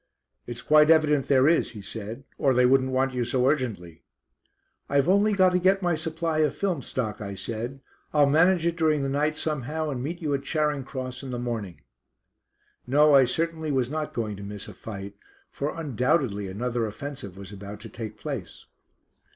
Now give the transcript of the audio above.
"It's quite evident there is," he said, "or they wouldn't want you so urgently." "I've only got to get my supply of film stock," I said; "I'll manage it during the night somehow, and meet you at Charing Cross in the morning." No, I certainly was not going to miss a fight, for undoubtedly another offensive was about to take place.